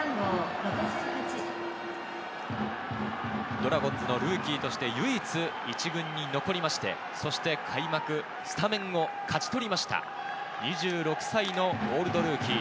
ドラゴンズのルーキーとして唯一１軍に残りまして、そして開幕スタメンを勝ち取りました２６歳のオールドルーキー。